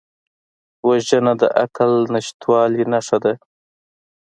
وژنه د عقل نشتوالي نښه ده